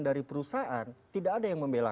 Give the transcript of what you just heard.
dari perusahaan tidak ada yang membela